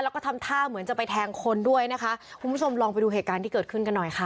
แล้วก็ทำท่าเหมือนจะไปแทงคนด้วยนะคะคุณผู้ชมลองไปดูเหตุการณ์ที่เกิดขึ้นกันหน่อยค่ะ